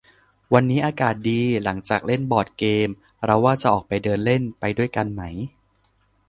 วันนี้อากาศดี หลังจากเล่นบอร์ดเกม เราว่าจะออกไปเดินเล่น ไปด้วยกันไหม